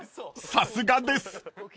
さすがです］